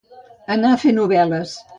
Anar a fer novel·les.